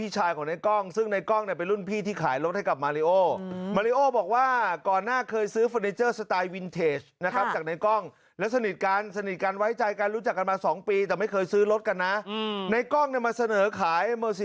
จะยืนยันว่าสิ่งที่เราคุยกันคือมันถูกต้องหรือว่า